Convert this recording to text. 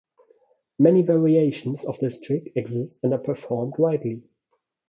Many variations of this trick exist and are performed widely.